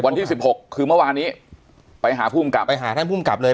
วันที่สิบหกคือเมื่อวานนี้ไปหาภูมิกับไปหาท่านภูมิกับเลย